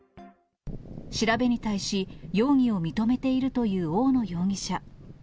調べに対し、容疑を認めているという大野容疑者。